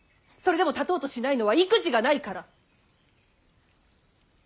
それでも立とうとしないのは意気地がないから。